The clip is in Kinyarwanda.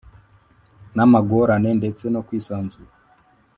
n’amagorane ndetse no kwisanzura